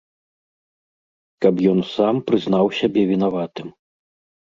Каб ён сам прызнаў сябе вінаватым.